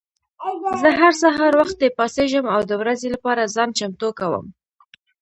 زه هر سهار وختي پاڅېږم او د ورځې لپاره ځان چمتو کوم.